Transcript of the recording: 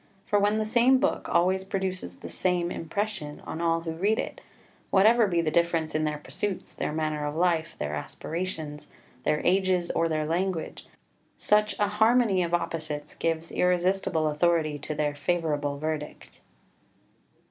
For when the same book always produces the same impression on all who read it, whatever be the difference in their pursuits, their manner of life, their aspirations, their ages, or their language, such a harmony of opposites gives irresistible authority to their favourable verdict.